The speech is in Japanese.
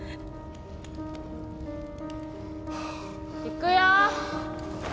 行くよ。